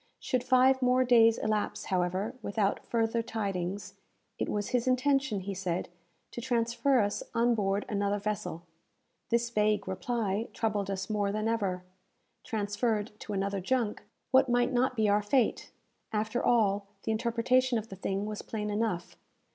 Should five more days elapse, however, without further tidings, it was his intention, he said, to transfer us on board another vessel. This vague reply troubled us more than ever. Transferred to another junk, what might not be our fate? After all, the interpretation of the thing was plain enough.